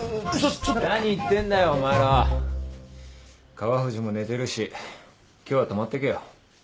川藤も寝てるし今日は泊まってけよ。